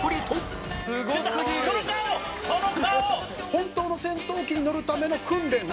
本当の戦闘機に乗るための訓練を。